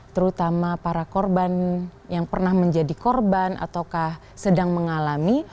terutama para korban yang pernah menjadi korban ataukah sedang mengalami